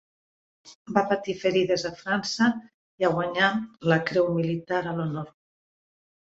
Va patir ferides a França i a guanyar la creu militar a l"honor.